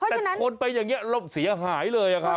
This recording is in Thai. ใช่แต่คนเป็นอย่างนี้เราเสียหายเลยครับ